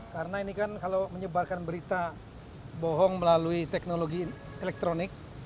karena ini kan kalau menyebarkan berita bohong melalui teknologi elektronik